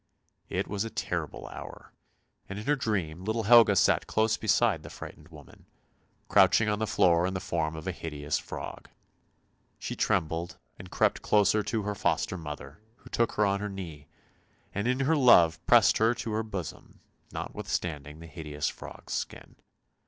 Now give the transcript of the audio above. It was a terrible hour, and in her dream little Helga sat close beside the frightened woman, crouching on the floor in the form of the hideous frog. She trembled and crept closer to her foster mother who took her on her knee, and in her love pressed her to her bosom, notwithstanding the hideous frog's skin.